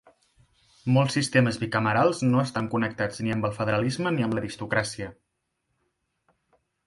Molts sistemes bicamerals no estan connectats ni amb el federalisme ni amb l'aristocràcia.